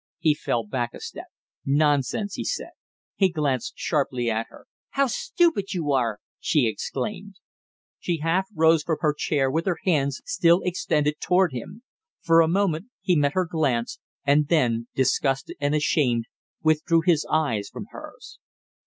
He fell back a step. "Nonsense!" he said. He glanced sharply at her. "How stupid you are!" she exclaimed. She half rose from her chair with her hands still extended toward him. For a moment he met her glance, and then, disgusted and ashamed, withdrew his eyes from hers.